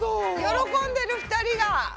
喜んでる２人が。